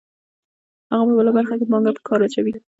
هغه په بله برخه کې پانګه په کار اچوي